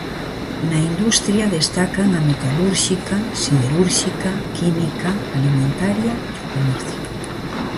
Na industria destacan a metalúrxica, siderúrxica, química, alimentaria e o comercio.